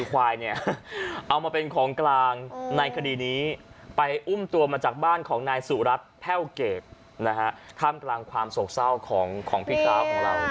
ข้ามกลางความโจรเช่าของพี่ขาวของเรา